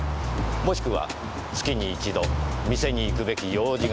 もしくは月に一度店に行くべき用事があった。